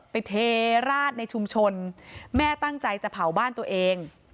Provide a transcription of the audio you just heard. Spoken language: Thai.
เทราดในชุมชนแม่ตั้งใจจะเผาบ้านตัวเอง